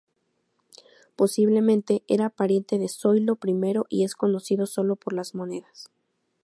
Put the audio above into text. Posiblemente era pariente de Zoilo I, y es conocido sólo por las monedas.